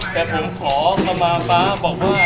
แต่ผมขอกลับมาป๊าบอกว่า